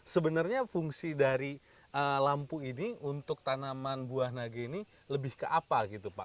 sebenarnya fungsi dari lampu ini untuk tanaman buah naga ini lebih ke apa gitu pak